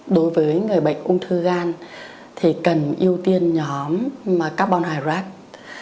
đối với người bệnh ung thư gan thì cần ưu tiên nhóm carbon hydrate